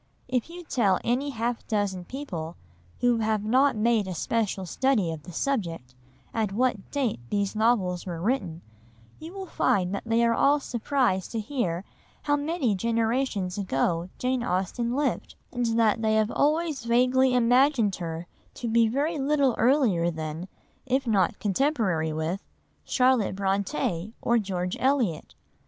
If you tell any half dozen people, who have not made a special study of the subject, at what date these novels were written, you will find that they are all surprised to hear how many generations ago Jane Austen lived, and that they have always vaguely imagined her to be very little earlier than, if not contemporary with, Charlotte Brontë or George Eliot.